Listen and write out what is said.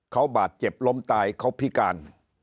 เขาบาดเจ็บล้มตายเขาพิการ